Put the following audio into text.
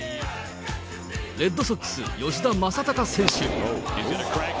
レッドソックス、吉田正尚選手。